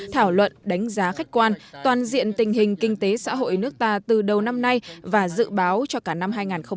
thảo luận đánh giá khách quan toàn diện tình hình kinh tế xã hội nước ta từ đầu năm nay và dự báo cho cả năm hai nghìn hai mươi